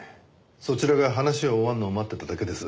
そちらが話終わるのを待ってただけです。